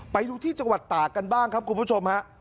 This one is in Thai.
ไปดูที่จังหวัดตากกันบ้างครับคุณผู้ชมฮะ